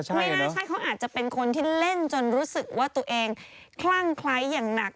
ใช่ครับเขาอาจจะเป็นคนที่เล่นจนรู้สึกว่าตัวเองคล่างไคร้อย่างหนัก